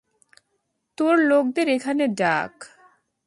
তোর লোকদের এখানে ডাক।